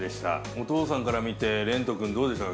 お父さんから見て、れんと君、どうでしたか。